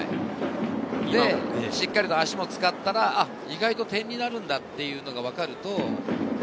しっかりと足も使ったら意外と点になるんだというのがわかると。